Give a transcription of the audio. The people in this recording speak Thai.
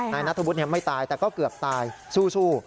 นายนัทธวุฒิไม่ตายแต่ก็เกือบตายสู้